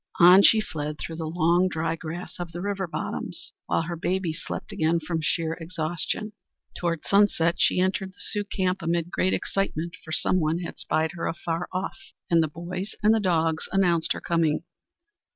On she fled through the long dry grass of the river bottoms, while her babies slept again from sheer exhaustion. Toward sunset, she entered the Sioux camp amid great excitement, for some one had spied her afar off, and the boys and the dogs announced her coming.